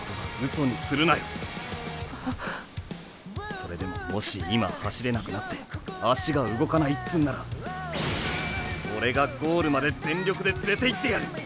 それでももし今走れなくなって足が動かないつんならオレがゴールまで全力で連れていってやる！